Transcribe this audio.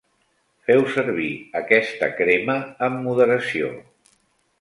Feu servir aquesta crema amb moderació.